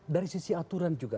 dari sisi aturan juga